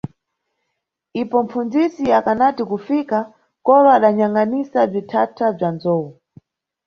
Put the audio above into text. Ipo mpfunzisi akanati kufika, kolo adanyangʼanisa bzithatha bza nzou.